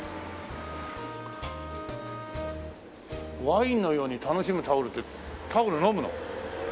「ワインのように愉しむタオル」ってタオル飲むの？